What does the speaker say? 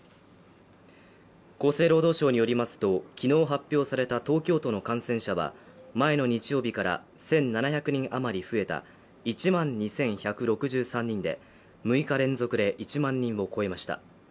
厚生労働省によりますと昨日発表された東京都の感染者は前の日曜日から１７００人余り増えた１万２１６３人で６日連続で１万人を超えました。